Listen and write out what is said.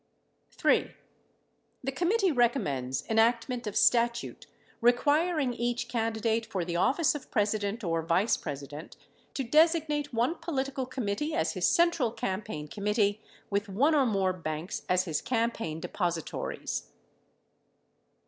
3. The committee recommends enactment of statute requiring each candidate for the office of President or Vice President to designate one political committee as his central campaign com mittee with one or more banks as his campaign depositories.